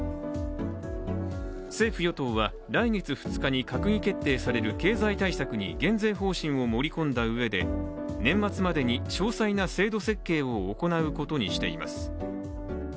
政府・与党は、来月２日に閣議決定される経済対策に減税方針を盛り込んだうえで年末までに詳細な制度設計を行うことにしています。